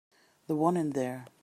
The one in there.